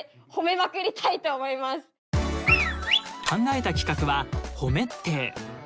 考えた企画は「ホメッテー」。